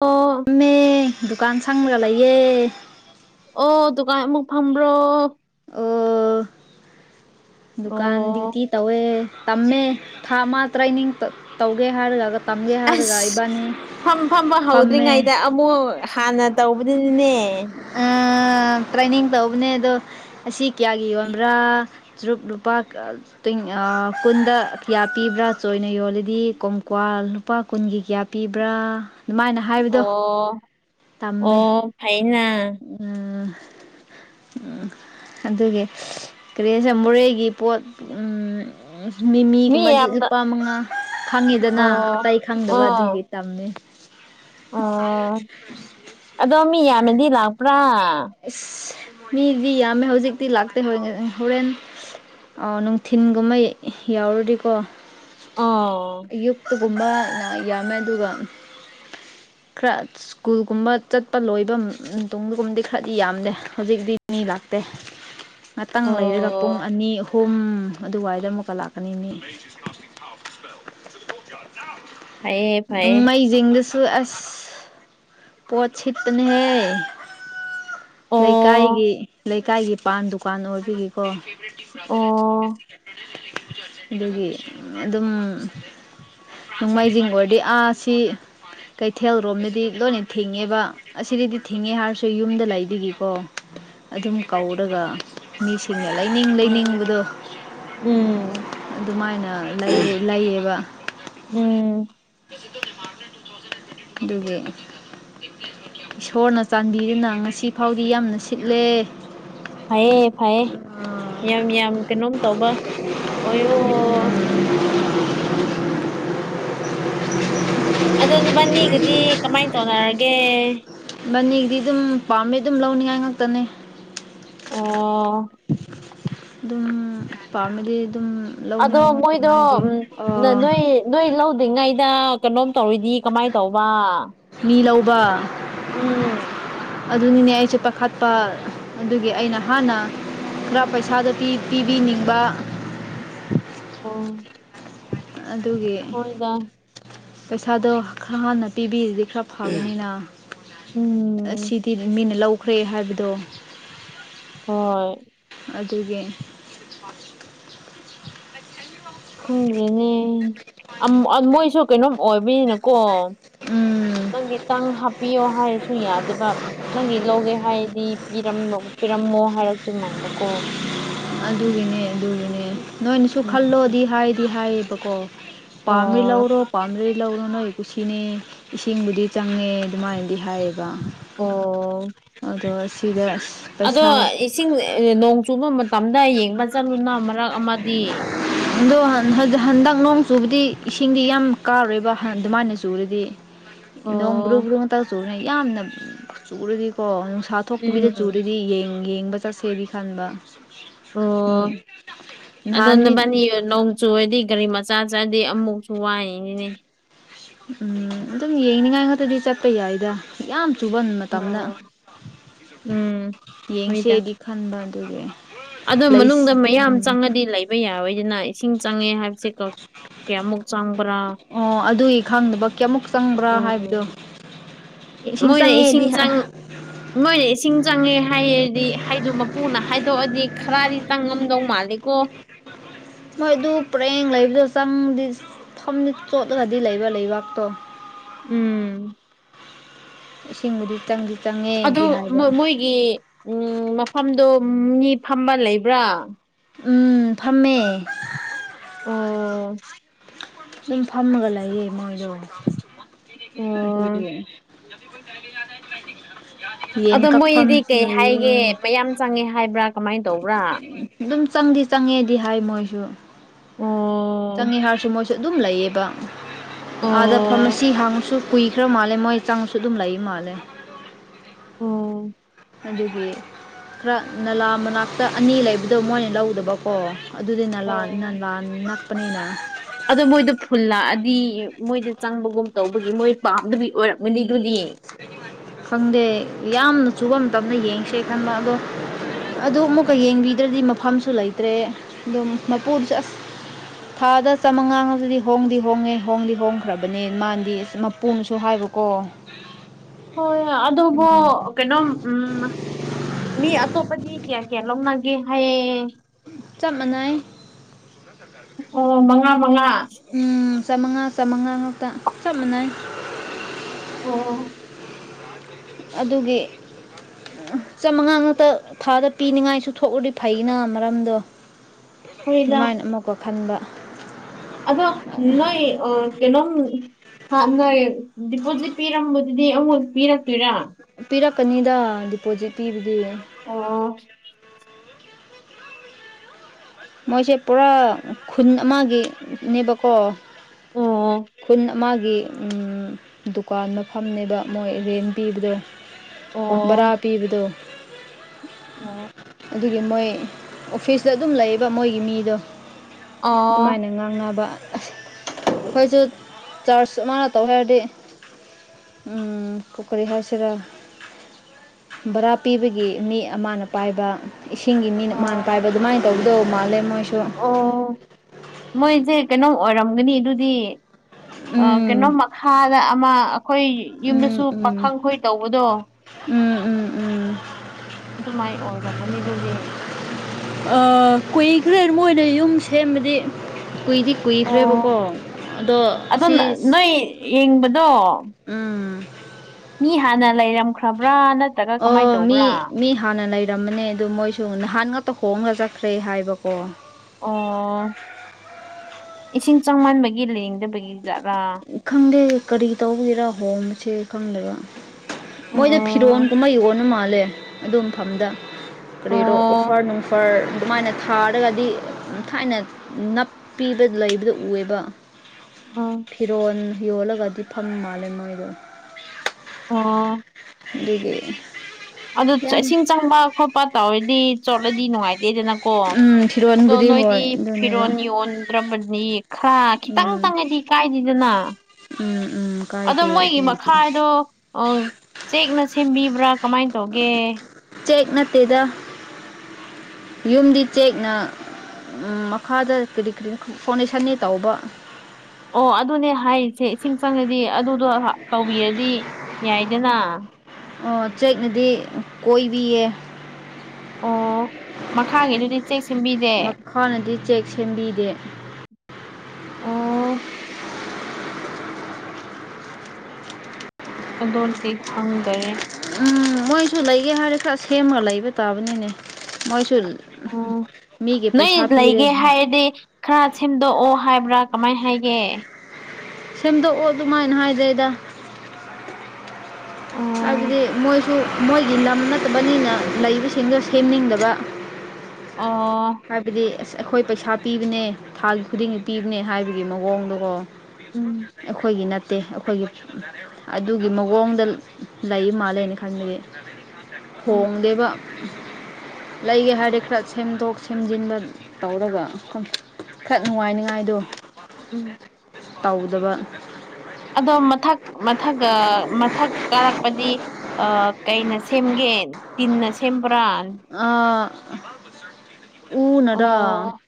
ꯑꯣ ꯃꯦ ꯗꯨꯀꯥꯟ ꯁꯪꯂꯒ ꯂꯩꯌꯦ ꯑꯣ ꯗꯨꯀꯥꯟ ꯑꯃꯨꯛ ꯐꯝꯕ꯭ꯔꯣ ꯑꯣ ꯗꯨꯀꯥꯟ ꯑꯣ ꯗ꯭ꯌꯨꯇꯤ ꯇꯧꯋꯦ ꯇꯝꯃꯦ ꯊꯥ ꯑꯃ ꯇ꯭ꯔꯦꯅꯤꯡ ꯇꯥ ꯇꯧꯒꯦ ꯍꯥꯏꯔꯒꯒ ꯑꯁ ꯐꯝ ꯐꯝꯕ ꯐꯝꯃꯦ ꯍꯧꯗ꯭ꯔꯤꯉꯩꯗ ꯑꯥ ꯑꯃꯨꯛ ꯍꯥꯟꯅ ꯇꯧꯕꯗꯨꯅꯤꯅꯦ ꯑꯥ ꯇ꯭ꯔꯦꯅꯤꯡ ꯇꯧꯕꯅꯦ ꯑꯗꯣ ꯑꯁꯤ ꯀꯌꯥꯒꯤ ꯌꯣꯟꯕ꯭ꯔꯥ ꯆꯨꯔꯨꯞ ꯂꯨꯄꯥ ꯀꯥꯜ ꯇꯤꯡ ꯑꯥ ꯀꯨꯟꯗ ꯀꯤꯌꯥ ꯄꯤꯕ꯭ꯔꯥ ꯆꯣꯏꯅ ꯌꯣꯜꯂꯗꯤ ꯀꯣꯡꯀ꯭ꯋꯥ ꯂꯨꯄꯥ ꯀꯨꯟꯒꯤ ꯀꯌꯥ ꯄꯤꯕ꯭ꯔꯥ ꯑꯗꯨꯃꯥꯏꯅ ꯍꯥꯏꯕꯗꯣ ꯑꯣ ꯇꯝꯃꯦ ꯑꯣ ꯐꯩꯅꯥ ꯎꯝ ꯎꯝ ꯑꯗꯨꯒꯤ ꯀꯔꯤ ꯍꯥꯏꯁꯤꯔ ꯃꯣꯔꯦꯒꯤ ꯄꯣꯠ ꯎꯝ ꯎꯝ ꯃꯤ ꯃꯤꯃꯤꯒꯨꯝꯕꯗꯤ ꯌꯥꯝꯅ ꯂꯨꯄꯥ ꯃꯉꯥ ꯈꯪꯉꯤꯗꯅ ꯑꯣ ꯑꯇꯩ ꯈꯪꯗꯕ ꯑꯗꯨꯒꯤ ꯑꯣ ꯇꯝꯃꯦ ꯑꯣ ꯑꯗꯣ ꯃꯤ ꯌꯥꯝꯅꯗꯤ ꯂꯥꯛꯄ꯭ꯔꯥ ꯏꯁ ꯃꯤꯗꯤ ꯌꯥꯝꯃꯦ ꯍꯧꯖꯤꯛꯇꯤ ꯂꯥꯛꯇꯦ ꯍꯣꯏ ꯍꯣꯔꯦꯟ ꯑꯣ ꯅꯨꯡꯊꯤꯟꯒꯨꯝꯕ ꯌꯧꯔꯗꯤꯀꯣ ꯑꯣ ꯑꯌꯨꯛꯇ ꯒꯨꯝꯕ ꯌꯥꯝꯃꯦ ꯑꯗꯨꯒ ꯈꯔ ꯁ꯭ꯀꯨꯜꯒꯨꯝꯕ ꯆꯠꯄ ꯂꯣꯏꯕ ꯃꯇꯨꯡꯗꯒꯨꯝꯗꯤ ꯈꯔꯗꯤ ꯌꯥꯝꯗꯦ ꯍꯧꯖꯤꯛꯇꯤ ꯃꯤ ꯂꯥꯛꯇꯦ ꯉꯥꯛꯇꯪ ꯂꯩꯔꯒ ꯄꯨꯡ ꯑꯣ ꯑꯅꯤ ꯑꯍꯨꯝ ꯑꯗꯨꯋꯥꯏꯗ ꯑꯃꯨꯛꯀ ꯂꯥꯛꯀꯅꯤ ꯃꯤ [inaudible] ꯐꯩꯌꯦ ꯅꯣꯃꯥꯏꯖꯤꯡꯗꯁꯨ ꯑꯁ ꯄꯣꯠ ꯁꯤꯠꯄꯅꯦꯍꯦ ꯑꯣ ꯂꯩꯀꯥꯏꯒꯤ ꯂꯩ ꯂꯩꯀꯥꯏꯒꯤ ꯄꯥꯟ ꯗꯨꯀꯥꯟ ꯑꯣꯏꯕꯒꯤꯀꯣ ꯑꯣ ꯑꯗꯨꯒꯤ ꯑꯗꯨꯝ ꯅꯣꯡꯃꯥꯏꯖꯤꯡ ꯑꯣꯏꯔꯗꯤ ꯑꯥ ꯁꯤ ꯀꯩꯊꯦꯜ ꯔꯣꯝꯗꯗꯤ ꯂꯣꯏꯅ ꯊꯤꯡꯉꯦꯕ ꯑꯁꯤꯗꯗꯤ ꯊꯤꯡꯉꯦ ꯍꯥꯏꯔꯁꯨ ꯌꯨꯝꯗ ꯂꯩꯕꯒꯤꯀꯣ ꯑꯗꯨꯝ ꯀꯧꯔꯒ ꯃꯤꯁꯤꯡꯅ ꯂꯩꯅꯤꯡ ꯂꯩꯅꯤꯡꯕꯗꯣ ꯑꯣ ꯎꯝ ꯑꯗꯨꯃꯥꯏꯅ ꯂꯩ ꯂꯩꯌꯦꯕ ꯎꯝ ꯑꯗꯨꯒꯤ ꯏꯁꯣꯔꯅ ꯆꯥꯟꯕꯤꯗꯨꯅ ꯉꯁꯤ ꯐꯥꯎꯗꯤ ꯌꯥꯝꯅ ꯁꯤꯠꯂꯦ ꯐꯩꯌꯦ ꯐꯩꯌꯦ ꯌꯥꯝ ꯌꯥꯝ ꯀꯩꯅꯣꯝ ꯇꯧꯕ ꯑꯣꯏꯌꯣ ꯑꯗꯣ ꯅꯕꯥꯅꯤꯒꯤꯗꯤ ꯀꯃꯥꯏ ꯇꯧꯅꯔꯒꯦ ꯃꯅꯤꯗꯤ ꯑꯗꯨꯝ ꯄꯥꯝꯃꯦ ꯑꯗꯨꯝ ꯂꯧꯅꯤꯡꯉꯥꯏ ꯉꯥꯛꯇꯅꯦ ꯑꯣ ꯑꯗꯨꯝ ꯄꯥꯝꯃꯗꯤ ꯑꯗꯨꯝ ꯑꯗꯣ ꯂꯧꯅꯤꯡꯉꯥꯏ ꯉꯥꯛꯇ ꯃꯣꯏꯗꯣ ꯉꯥꯏꯔꯦ ꯎꯝ ꯅꯥ ꯑꯥ ꯅꯣꯏ ꯅꯣꯏ ꯂꯧꯗ꯭ꯔꯤꯉꯩꯗꯥ ꯀꯩꯅꯣꯝ ꯇꯧꯔꯗꯤ ꯀꯥꯃꯥꯏ ꯇꯧꯕ ꯃꯤ ꯂꯧꯕ ꯎꯝ ꯑꯗꯨꯅꯤꯅꯦ ꯑꯩꯖꯨ ꯄꯥꯈꯠꯄ ꯑꯗꯨꯒꯤ ꯑꯩꯅ ꯍꯥꯟꯅ ꯈꯔ ꯄꯩꯁꯥꯗꯣ ꯄꯤ ꯄꯤꯕꯤꯅꯤꯡꯕꯥ ꯑꯣ ꯑꯗꯨꯒꯤ ꯍꯣꯏꯗ ꯄꯩꯁꯥꯗꯣ ꯈꯔ ꯍꯥꯟꯅ ꯄꯤꯕꯤꯔꯗꯤ ꯈꯔ ꯐꯥꯒꯅꯤꯅ ꯎꯝ ꯑꯁꯤꯗꯤ ꯃꯤꯅ ꯂꯧꯈ꯭ꯔꯦ ꯍꯥꯏꯕꯗꯣ ꯍꯣꯏ ꯑꯗꯨꯒꯤ [unintelligible] ꯈꯪꯗ꯭ꯔꯦꯅꯦ ꯑꯝ ꯎꯝ ꯃꯣꯏꯁꯨ ꯀꯩꯅꯣꯝ ꯑꯣꯏꯕꯅꯤꯅꯀꯣ ꯎꯝ ꯅꯪꯒꯤꯇꯪ ꯍꯥꯞꯄꯤꯌꯣ ꯍꯥꯏꯔꯁꯨ ꯁꯨ ꯌꯥꯗꯦꯕ ꯅꯪꯒꯤ ꯂꯧꯒꯦ ꯍꯥꯏꯗꯤ ꯄꯤꯔꯝ ꯄꯤꯔꯝꯃꯣ ꯍꯥꯏꯔꯛꯇꯣꯏ ꯃꯥꯟꯕ ꯀꯣ ꯑꯗꯨꯒꯤꯅꯦ ꯑꯗꯨꯒꯤꯅꯦ ꯎꯝ ꯅꯣꯏꯅꯁꯨ ꯎꯝ ꯈꯜꯂꯣꯗꯤ ꯍꯥꯏꯗꯤ ꯍꯥꯏꯌꯦꯕꯀꯣ ꯄꯥꯝꯔꯤ ꯑꯣ ꯂꯧꯔꯣ ꯄꯝꯗꯔ꯭ꯦ ꯂꯧꯔꯣ ꯅꯣꯏ ꯀꯨꯁꯤꯅꯦ ꯏꯁꯤꯡꯕꯨꯗꯤ ꯆꯪꯉꯦ ꯑꯗꯨꯃꯥꯏꯅꯗꯤ ꯍꯥꯏꯌꯦ ꯕ ꯑꯣ ꯑꯗꯣ ꯑꯁꯤꯗ ꯑꯗꯣ ꯏꯁꯤꯡ ꯅꯣꯡ ꯆꯨꯕ ꯃꯇꯝꯗ ꯌꯦꯡꯕ ꯆꯠꯂꯨꯅ ꯃꯔꯛ ꯑꯃꯗꯤ ꯑꯗꯣ ꯍꯟ ꯍꯟ ꯍꯟꯗꯛ ꯅꯣꯡ ꯆꯨꯕꯗꯤ ꯏꯁꯤꯡꯗꯤ ꯌꯥꯝ ꯀꯥꯔꯣꯏꯕ ꯑꯗꯨꯃꯥꯏꯅ ꯆꯨꯔꯗꯤ ꯅꯣꯡ ꯕ꯭ꯔꯨ ꯑꯣ ꯕ꯭ꯔꯨ ꯉꯛꯇ ꯆꯨꯔꯅꯦ ꯌꯥꯝꯅ ꯆꯨꯔꯗꯤꯀꯣ ꯅꯨꯡꯁꯥ ꯊꯣꯛꯇꯕꯤꯗ ꯎꯝ ꯆꯨꯔꯗꯤ ꯌꯦꯡ ꯌꯦꯡꯕ ꯆꯠꯁꯦꯗꯤ ꯈꯟꯕ ꯑꯣ ꯎꯝ ꯑꯗꯣ ꯅꯍꯥꯟꯗꯤ ꯅꯕꯥꯅꯤ ꯅꯣꯡ ꯆꯨꯨꯔꯗꯤ ꯒꯥꯔꯤ ꯃꯆꯥ ꯆꯥꯠꯂꯗꯤ ꯑꯃꯨꯛꯁꯨ ꯋꯥꯏꯅꯤꯅꯦ ꯎꯝ ꯑꯗꯨꯝ ꯌꯦꯡꯅꯤꯉꯥꯏ ꯉꯥꯛꯇꯗꯤ ꯆꯠꯄ ꯌꯥꯏꯗ ꯌꯥꯝ ꯆꯨꯕ ꯃꯇꯝꯗ ꯎꯝ ꯎꯝ ꯍꯣꯏꯗ ꯌꯦꯡꯁꯦꯗꯤ ꯈꯟꯕ ꯑꯗꯨꯒꯤ ꯑꯗꯣ ꯃꯅꯨꯡꯗ ꯂꯩꯁꯤ ꯃꯌꯥꯝ ꯎꯝ ꯆꯪꯉꯗꯤ ꯂꯩꯕ ꯌꯥꯔꯣꯏꯗꯅ ꯏꯁꯤꯡ ꯆꯪꯉꯦ ꯍꯥꯏꯕꯁꯦ ꯀꯣ ꯀꯌꯥꯃꯨꯛ ꯆꯪꯕꯔ꯭ꯥ ꯑꯣ ꯑꯗꯨꯒꯤ ꯈꯪꯗꯕ ꯀꯌꯥꯃꯨꯛ ꯆꯪꯕ꯭ꯔꯥ ꯍꯥꯏꯕꯗꯣ ꯎꯝ ꯃꯣꯏꯅ ꯏꯁꯤꯡ ꯆꯪ ꯃꯣꯏꯅ ꯏꯁꯤꯡ ꯆꯪꯉꯦ ꯍꯥꯏꯌꯦꯗꯤ ꯍꯥꯏꯗꯣ ꯃꯄꯨꯅ ꯍꯥꯏꯗꯣꯛꯑꯗꯤ ꯈꯔꯗꯤ ꯇꯥꯡꯉꯝꯗꯧ ꯃꯥꯜꯂꯤꯀꯣ ꯃꯣꯏ ꯑꯗꯨ ꯄꯔꯦꯡ ꯂꯩꯕꯗꯣ ꯆꯪꯗꯤ ꯐꯝꯗꯤ ꯆꯣꯠꯂꯒꯗꯤ ꯂꯩꯕ ꯂꯩꯕꯥꯛꯇꯣ ꯎꯝ ꯏꯁꯤꯡꯕꯨꯗꯤ ꯆꯪꯂꯤ ꯑꯗꯨ ꯃꯣ ꯃꯣꯏꯒꯤ ꯎꯝ ꯃꯐꯝꯗꯨ ꯃꯤ ꯐꯝꯕ ꯂꯩꯕ꯭ꯔꯥ ꯎꯝ ꯐꯝꯃꯦ ꯑꯣ ꯗꯨꯝ ꯐꯝꯃꯒ ꯂꯩꯌꯦ ꯃꯣꯏꯗꯣ ꯑꯣ ꯑꯗꯨꯒꯤ [unintelligible] ꯌꯦꯟ ꯑꯗꯣ ꯃꯣꯏꯗꯤ ꯀꯛꯐꯝꯁꯨ ꯀꯩ ꯂꯩꯌꯦ ꯍꯥꯏꯒꯦ ꯃꯌꯥꯝ ꯆꯪꯉꯦ ꯍꯥꯏꯕ꯭ꯔꯥ ꯀꯃꯥꯏꯅ ꯇꯧꯕ꯭ꯔꯥ ꯑꯗꯨꯝ ꯆꯪꯗꯤ ꯆꯪꯉꯦꯗꯤ ꯍꯥꯏ ꯃꯣꯏꯁꯨ ꯑꯣ ꯆꯪꯉꯦ ꯍꯥꯏꯔꯁꯨ ꯃꯣꯏꯁꯨ ꯁꯨ ꯑꯗꯨꯝ ꯂꯩꯌꯦꯕ ꯑꯥꯗ ꯑꯣ ꯐꯥꯔꯝꯔꯁꯤ ꯍꯥꯡꯁꯨ ꯀꯨꯏꯈ꯭ꯔ ꯃꯥꯜꯂꯦ ꯃꯣꯏ ꯆꯥꯡꯁꯨ ꯑꯗꯨꯝ ꯂꯩ ꯃꯥꯜꯂꯦ ꯑꯣ ꯑꯗꯨꯒꯤ ꯈꯔ ꯅꯂꯥ ꯃꯅꯥꯛꯇ ꯑꯅꯤ ꯂꯩꯕꯗꯣ ꯃꯣꯏꯅ ꯂꯧꯗꯕꯀꯣ ꯑꯗꯨꯗꯤ ꯅꯂꯥꯟ ꯑꯣ ꯅꯂꯥꯟ ꯅꯛꯄꯅꯤꯅ ꯑꯗꯣ ꯃꯣꯏꯗꯣ ꯐꯨꯜ ꯂꯥꯛꯑꯗꯤ ꯃꯣꯏꯗ ꯆꯪꯕꯒꯨꯝ ꯇꯧꯕꯒꯤ ꯃꯣꯏ ꯄꯥꯝꯗꯕꯤ ꯑꯣꯏꯔꯝꯒꯅꯤ ꯗꯨꯗꯤ ꯈꯪꯗꯦ ꯌꯥꯝꯅ ꯆꯨꯕ ꯃꯇꯝꯗ ꯌꯦꯡꯁꯦ ꯈꯟꯕ ꯑꯗꯣ ꯑꯗꯨ ꯑꯃꯨꯛꯀ ꯌꯦꯡꯕꯤꯗ꯭ꯔꯗꯤ ꯃꯐꯝꯁꯨ ꯂꯩꯇ꯭ꯔꯦ ꯑꯗꯨꯝ ꯃꯄꯨꯗꯨꯁꯨ ꯑꯁ ꯊꯥꯗ ꯆꯃꯉꯥ ꯍꯥꯏꯕꯗꯣ ꯍꯣꯡꯗꯤ ꯍꯣꯡꯉꯦ ꯍꯣꯡꯗꯤ ꯍꯣꯡꯈ꯭ꯔꯕꯅꯦ ꯃꯥꯥꯟꯗꯤ ꯑꯁ ꯃꯄꯨꯝꯁꯨ ꯍꯥꯏꯕ ꯀꯣ ꯍꯣꯏ ꯑꯗꯨꯕꯨ ꯀꯩꯅꯣꯝ ꯎꯝ ꯃꯤ ꯑꯇꯣꯞꯄꯗꯤ ꯀꯌꯥ ꯀꯌꯥ ꯂꯧꯅꯒꯦ ꯍꯥꯏꯌꯦ ꯆꯞ ꯃꯥꯟꯅꯩ ꯑꯣ ꯃꯉꯥ -ꯃꯉꯥ ꯎꯝ ꯆꯃꯉꯥ -ꯆꯃꯉꯥ ꯉꯥꯛꯇ ꯆꯞ ꯃꯥꯟꯅꯩ ꯑꯣ ꯑꯗꯨꯒꯤ ꯆꯃꯉꯥ ꯉꯥꯛꯛꯇ ꯊꯥꯗ ꯄꯤꯅꯤꯉꯥꯏꯁꯨ ꯊꯣꯛꯔꯗꯤ ꯐꯩꯅ ꯃꯔꯝꯗꯣ ꯍꯣꯏꯗ ꯑꯗꯨꯃꯥꯏꯅ ꯑꯃꯨꯀ ꯈꯟꯕ ꯑꯗꯣ ꯅꯣꯏ ꯑ ꯀꯩꯅꯣꯝ ꯍꯥ ꯅꯣꯏ ꯗꯤꯄꯣꯖꯤꯠ ꯄꯤꯔꯝꯕꯗꯨꯗꯤ ꯑꯃꯨꯛ ꯀꯣꯟ ꯄꯤꯔꯛꯇꯣꯏꯔꯥ ꯄꯤꯔꯛꯀꯅꯤꯗ ꯗꯤꯄꯣꯖꯤꯠ ꯄꯤꯕꯗꯤ ꯑꯣ ꯃꯣꯏꯁꯦ ꯄꯨꯔꯥ ꯈꯨꯟ ꯑꯃꯒꯤꯅꯦꯕꯀꯣ ꯑꯣ ꯈꯨꯟ ꯃꯥꯒꯤ ꯗꯨꯀꯥꯟ ꯃꯐꯝꯅꯦꯕ ꯃꯣꯏ ꯔꯦꯟ ꯄꯤꯕꯗꯣ ꯕꯔꯥ ꯑꯣ ꯄꯤꯕꯗꯣ ꯑꯣ ꯑꯗꯨꯒꯤ ꯃꯣꯏ ꯑꯣꯐꯤꯁꯇ ꯑꯗꯨꯝ ꯂꯩꯕ ꯃꯣꯏꯒꯤ ꯃꯤꯗꯣ ꯑꯣ ꯑꯗꯨꯃꯥꯏꯅ ꯉꯥꯡꯅꯕ ꯑꯁ ꯑꯩꯈꯣꯏꯁꯨ ꯆꯔꯆ ꯃꯥꯅ ꯇꯧꯋꯦ ꯍꯥꯏꯔꯗꯤ ꯀꯨꯈꯔꯤ ꯍꯥꯏꯁꯤꯔ ꯕꯔꯥ ꯄꯤꯕꯒꯤ ꯃꯤ ꯑꯃꯅ ꯄꯥꯏꯕ ꯏꯁꯤꯡꯒꯤ ꯃꯤꯅ ꯃꯥꯅ ꯑꯣ ꯄꯥꯏꯕ ꯑꯗꯨꯃꯥꯏꯅ ꯇꯧꯒꯗꯧꯕ ꯃꯥꯜꯂꯦ ꯃꯣꯏꯁꯨ ꯑꯣ ꯃꯣꯏꯁꯦ ꯀꯩꯅꯣꯝ ꯑꯣꯏꯔꯝꯒꯅꯤ ꯑꯗꯨꯗꯤ ꯎꯝ ꯀꯩꯅꯣ ꯃꯈꯥꯗ ꯑꯃ ꯑꯩꯈꯣꯏ ꯌꯨꯝꯗꯁꯨ ꯎꯝ ꯎꯝ ꯄꯥꯈꯪ ꯈꯣꯏ ꯇꯧꯕꯗꯣ ꯎꯝ- ꯎꯝ -ꯎꯝ ꯑꯗꯨꯃꯥꯏꯅ ꯑꯣꯏꯔꯝꯒꯅꯤ ꯗꯨꯗꯤ ꯀꯨꯏ ꯈ꯭ꯔꯦ ꯃꯣꯏꯅ ꯌꯨꯝ ꯁꯦꯝꯕꯗꯤ ꯀꯨꯏꯗꯤ ꯀꯨꯏꯈ꯭ꯔꯦꯕꯀꯣ ꯑꯗꯣ ꯁꯤ ꯅꯩ ꯌꯦꯡꯕꯗꯣ ꯎꯝ ꯃꯤ ꯍꯥꯟꯅ ꯂꯩꯔꯝꯈ꯭ꯔꯕ꯭ꯔꯥ ꯅꯠꯇ꯭ꯔꯒ ꯑꯣ ꯀꯃꯥꯏꯅ ꯃꯤ ꯇꯧꯕ꯭ꯔꯥ ꯃꯤ ꯍꯥꯟꯅ ꯂꯩꯔꯝꯕꯅꯦ ꯑꯗꯨ ꯃꯣꯏꯁꯨ ꯅꯍꯥꯟ ꯈꯛꯇ ꯍꯣꯡꯉꯒ ꯆꯠꯈ꯭ꯔꯦ ꯍꯥꯏꯕꯀꯣ ꯑꯣ ꯏꯁꯤꯡ ꯆꯪꯃꯟꯕꯒꯤ ꯂꯦꯡꯗꯕꯒꯤ ꯖꯥꯠꯂꯥ ꯈꯪꯗꯦ ꯀꯔꯤ ꯇꯧꯕꯒꯤꯔꯥ ꯍꯣꯝꯁꯦ ꯈꯪꯗꯕ ꯃꯣꯏꯗ ꯐꯤꯔꯣꯟ ꯑꯣ ꯀꯨꯝꯍꯩ ꯌꯣꯟꯅ ꯃꯥꯜꯂꯦ ꯑꯗꯨ ꯃꯐꯝꯗ ꯀꯔꯤꯔꯣ ꯑꯣ ꯑꯣꯐꯔ ꯅꯨꯡꯐꯔ ꯑꯗꯨꯃꯥꯏꯅ ꯊꯥꯔꯒꯗꯤ ꯊꯥꯏꯅ ꯅꯞꯄꯤꯕ ꯂꯩꯕꯗ ꯎꯑꯦꯕ ꯑ ꯐꯤꯔꯣꯜ ꯌꯣꯜꯂꯒꯗꯤ ꯐꯝ ꯃꯥꯜꯂꯦ ꯃꯣꯏꯗꯣ ꯑꯣ ꯑꯗꯨꯗꯒꯤ ꯑꯗꯨ ꯏꯁꯤꯡ ꯆꯪꯕ ꯈꯣꯠꯄ ꯇꯧꯔꯗꯤ ꯆꯣꯠꯂꯗꯤ ꯅꯨꯡꯉꯥꯏꯇꯦꯗꯅꯀꯣ ꯀ ꯎꯝ ꯑꯗꯣ ꯐꯤꯔꯣꯟꯕꯨꯗꯤ ꯅꯣꯏꯗꯤ ꯍꯣꯏ ꯑꯗꯨꯅꯦꯕ ꯐꯤꯔꯣꯟ ꯌꯣꯟ ꯗ꯭ꯔꯕꯗꯤ ꯈꯔ ꯈꯤꯇꯪ ꯎꯝ ꯆꯪꯉꯗꯤ ꯀꯥꯏꯗꯦꯗꯅ ꯎꯝ ꯎꯝ ꯑꯗꯣ ꯀꯥꯏꯗꯦ ꯃꯣꯏꯒꯤ ꯑꯗꯨꯒꯤꯗꯤ ꯃꯈꯥꯏꯗꯣ ꯑ ꯆꯦꯛꯅ ꯁꯦꯝꯕꯤꯕ꯭ꯔꯥ ꯀꯃꯥꯏ ꯇꯧꯒꯦ ꯆꯦꯛ ꯅꯠꯇꯦꯗ ꯌꯨꯝꯗꯤ ꯆꯦꯛꯅ ꯎꯝ ꯃꯈꯥꯗ ꯀꯔꯤ ꯀꯔꯤ ꯐꯥꯎꯟꯗꯦꯁꯟꯗꯤ ꯇꯧꯕ ꯑꯣ ꯑꯗꯨꯅꯦ ꯍꯥꯏꯔꯤꯁꯦ ꯏꯁꯤꯡ ꯆꯪꯉꯗꯤ ꯑꯗꯨꯗꯣ ꯇꯧꯕꯤꯔꯗꯤ ꯌꯥꯏꯗꯅ ꯑꯣ ꯆꯦꯛꯅꯗꯤ ꯀꯣꯏꯕꯤꯌꯦ ꯑꯣ ꯃꯈꯥꯒꯤꯗꯨꯗꯤ ꯆꯦꯛ ꯁꯦꯝꯕꯤꯗꯦ ꯍꯥꯟꯅꯗꯤ ꯆꯦꯛ ꯁꯦꯝꯕꯤꯗꯦ ꯑꯣ ꯑꯗꯣꯗꯤ ꯈꯪꯗꯔꯦ ꯎꯝ ꯃꯣꯏꯁꯨ ꯂꯩꯒꯦ ꯍꯥꯏꯔꯁꯨ ꯁꯦꯝꯃꯒ ꯂꯩꯕ ꯇꯥꯕꯅꯤꯅꯦ ꯃꯣꯏꯁꯨ ꯎꯝ ꯃꯤꯒꯤ ꯅꯣꯏ ꯄꯩꯁꯥ ꯄꯤꯔꯦ ꯂꯩꯒꯦ ꯍꯥꯏꯔꯗꯤ ꯈꯔ ꯁꯦꯝꯗꯣꯛꯑꯣ ꯍꯥꯏꯕ꯭ꯔꯥ ꯀꯃꯥꯏꯅ ꯍꯥꯏꯒꯦ ꯁꯦꯝꯝꯗꯣꯛꯑꯣ ꯑꯗꯨꯃꯥꯏꯅ ꯍꯥꯏꯗ꯭ꯔꯦꯗ ꯎꯝ ꯍꯥꯏꯕꯗꯤ ꯃꯣꯏꯁꯨ ꯃꯣꯏꯒꯤ ꯂꯝ ꯅꯠꯇꯕꯅꯤꯅ ꯂꯩꯕꯁꯤꯡꯗ ꯁꯦꯝꯅꯤꯡꯗꯕ ꯑꯣ ꯍꯥꯏꯕꯗꯤ ꯑꯁ ꯑꯩꯈꯣꯏ ꯄꯩꯁꯥ ꯄꯤꯕꯅꯦ ꯊꯥꯒꯤ ꯈꯨꯗꯤꯡꯒꯤ ꯄꯤꯕꯅꯦ ꯍꯥꯏꯕꯒꯤ ꯃꯑꯣꯡꯗꯀꯣ ꯎꯝ ꯑꯩꯈꯣꯏꯒꯤ ꯅꯠꯇ ꯅꯠꯇꯦ ꯑꯩꯈꯣꯏꯒꯤ ꯑꯗꯨꯒꯤ ꯃꯑꯣꯡꯗ ꯂꯩ ꯃꯥꯜꯂꯦꯅ ꯈꯟꯕꯒꯤ ꯎꯝ ꯍꯣꯡꯗꯦꯕ ꯂꯩꯒꯦ ꯍꯥꯏꯔꯗꯤ ꯈꯔ ꯁꯦꯝꯗꯣꯛꯁ ꯁꯦꯝꯖꯤꯟꯕ ꯇꯧꯔꯒ ꯈꯔ ꯅꯨꯡꯉꯥꯏꯅꯤꯉꯥꯏꯗꯣ ꯎꯝ ꯇꯧꯗꯕ ꯑꯗꯣ ꯃꯊꯛ ꯃꯊꯛꯒ ꯃꯊꯛ ꯀꯥꯔꯛꯄꯗꯤ ꯑ ꯀꯩꯅ ꯁꯦꯝꯒꯦ ꯇꯤꯟꯅ ꯁꯦꯝꯕ꯭ꯔꯥ ꯑ ꯎ ꯅꯔꯥ ꯑꯣ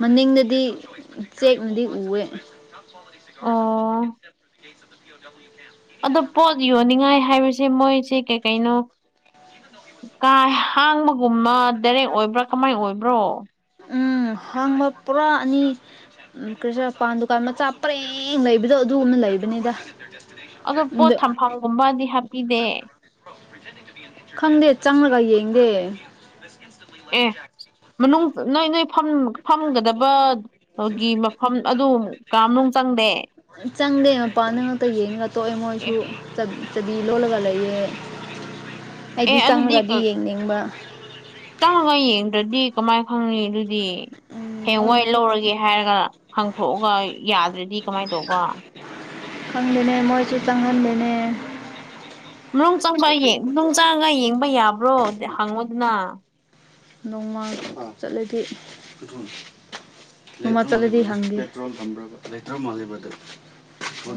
ꯃꯅꯤꯡꯗꯗꯤ ꯆꯦꯛꯅꯗꯤ ꯎꯑꯦ [unintelligible] ꯑꯣ [unintelligible] ꯑꯗꯣ ꯄꯣꯠ ꯌꯣꯟꯅꯤꯡꯉꯥꯏ ꯍꯥꯏꯕꯁꯦ ꯃꯣꯏꯁꯦ ꯀꯩ ꯀꯩꯅꯣ ꯀꯥ ꯍꯥꯡꯕꯒꯨꯝꯕ ꯗꯥꯏꯔꯦꯛ ꯑꯣꯏꯕ꯭ꯔꯥ ꯀꯃꯥꯏ ꯑꯣꯏꯕ꯭ꯔꯣ ꯎꯝ ꯍꯥꯡꯕ ꯄꯨꯔꯥ ꯑꯅꯤ ꯎꯝ ꯀ꯭ꯔꯤꯁꯅꯄꯥꯟ ꯗꯨꯀꯥꯟ ꯃꯆꯥ ꯄꯔꯦꯡ ꯂꯩꯕꯗꯣ ꯑꯗꯨꯒꯨꯝꯅ ꯂꯩꯕꯅꯤꯗ ꯑꯗꯨ ꯄꯣꯠ ꯑꯗꯣ ꯊꯝꯐꯝꯒꯨꯝꯕꯗꯤ ꯍꯥꯞꯄꯤꯗꯦ ꯈꯪꯗꯦ ꯆꯪꯂꯒ ꯌꯦꯡꯗꯦ [unintelligible] ꯑꯦ ꯃꯅꯨꯡ ꯅꯣꯏ ꯅꯣꯏ ꯐꯝꯒꯗꯕ ꯑꯗꯨꯒꯤ ꯃꯐꯝ ꯑꯗꯨ ꯀꯥꯃꯅꯨꯡ ꯆꯪꯗꯦ ꯆꯪꯗꯦ ꯃꯄꯥꯟ ꯗ ꯉꯥꯛꯛꯇ ꯌꯦꯡꯉꯒ ꯇꯣꯛꯑꯦ ꯃꯣꯏꯁꯨ ꯑꯦ ꯆꯕꯤ ꯂꯣꯜꯂꯒ ꯂꯩꯌꯦ ꯑꯦ ꯑꯩꯗꯤ ꯑꯗꯨꯗꯤ ꯆꯪꯉꯒꯗꯤ ꯌꯦꯡꯅꯤꯡꯕ ꯆꯪꯉꯒ ꯌꯦꯡꯗ꯭ꯔꯗꯤ ꯀꯃꯥꯏ ꯈꯪꯅꯤ ꯑꯗꯨꯗꯤ ꯎꯝ ꯍꯌꯦꯡ ꯋꯥꯏ ꯃꯣꯏꯅꯁꯨ ꯂꯧꯔꯒꯦ ꯍꯥꯏꯔꯒ ꯍꯥꯡꯊꯣꯛꯑꯒ ꯌꯥꯗ꯭ꯔꯗꯤ ꯀꯃꯥꯏꯅ ꯇꯧꯕ ꯈꯪꯗꯦꯅꯦ ꯃꯣꯏꯁꯨ ꯆꯥꯡꯍꯟꯗꯦꯅꯦ ꯃꯅꯨꯡ ꯆꯪꯕ ꯌꯦꯡ ꯅꯨꯡ ꯆꯪꯉꯒ ꯌꯦꯡꯕ ꯌꯥꯕ꯭ꯔꯣ ꯍꯪꯉꯨꯗꯅ ꯅꯣꯡꯃꯥꯡ ꯆꯠꯂꯗꯤ ꯅꯣꯡꯃ ꯆꯠꯂꯗꯤ ꯍꯪꯒꯦ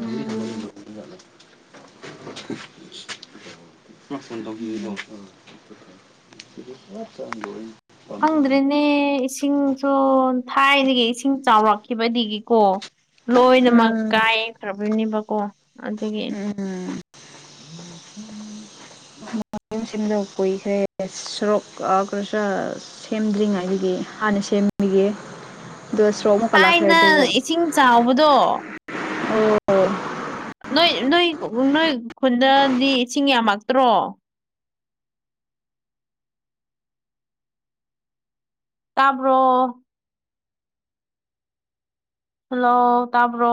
ꯎꯝ [unintelligible] ꯈꯪꯗ꯭ꯔꯦꯅꯦ ꯏꯁꯤꯡꯁꯨ ꯊꯥꯏꯅꯒꯤ ꯏꯁꯤꯡ ꯆꯥꯎꯔꯛꯈꯤꯕꯗꯒꯤꯀꯣ ꯂꯣꯏꯅꯃꯛ ꯎꯝ ꯀꯥꯏꯈ꯭ꯔꯥꯕꯅꯦꯕꯀꯣ ꯑꯗꯨꯒꯤ ꯎꯝ ꯑꯥ ꯏꯁꯤꯡꯁꯤꯗ ꯀꯨꯏꯈ꯭ꯔꯦ ꯁꯔꯣꯛ ꯑꯒꯁꯥ ꯁꯦꯝꯗ꯭ꯔꯤꯉꯩꯗꯒꯤ ꯍꯥꯟꯅ ꯁꯦꯝꯃꯤꯒꯦ ꯗꯁ꯭ꯔꯣꯑꯣ ꯃꯨꯛꯀ ꯂꯈ꯭ꯔꯦ ꯑꯗꯨ ꯊꯥꯏꯅ ꯑꯣ ꯏꯁꯤꯡ ꯆꯥꯎꯕꯗꯣ ꯅꯣꯏ ꯅꯣꯏ ꯅꯣꯏ ꯈꯨꯟꯗꯗꯤ ꯏꯁꯤꯡ ꯌꯥꯝꯃꯛꯇ꯭ꯔꯣ ꯇꯥꯕ꯭ꯔꯣ ꯍꯜꯂꯣ ꯇꯥꯕ꯭ꯔꯣ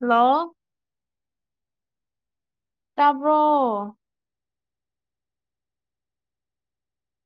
ꯍꯜꯂꯣ ꯇꯥꯕ꯭ꯔꯣ